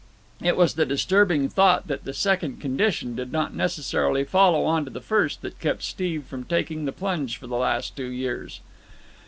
It was the disturbing thought that the second condition did not necessarily follow on to the first that had kept Steve from taking the plunge for the last two years.